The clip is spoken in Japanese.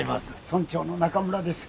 村長の中村です。